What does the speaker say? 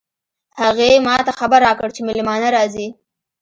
هغې ما ته خبر راکړ چې مېلمانه راځي